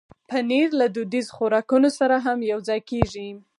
پنېر له دودیزو خوراکونو سره هم یوځای کېږي.